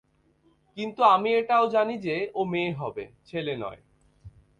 কিন্তু আমি এটাও জানি যে ও মেয়ে হবে, ছেলে নয়।